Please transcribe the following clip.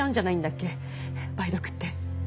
梅毒って。